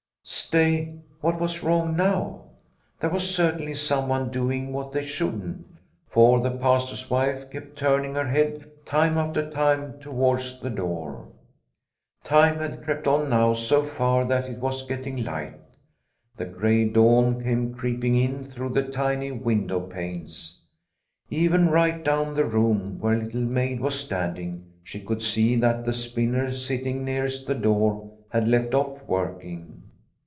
Stay, what was wrong now ? There was certainly someone doing what they shouldn't, for the Pastor's wife kept turning her head time after time towards the door. Time had crept on now so far that it was getting light. The grey dawn came creeping in through the tiny window panes. Even right down the room, where Little Maid was standing, she could see that the spinner sitting nearest the door had left off working.